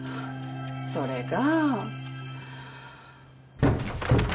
それが。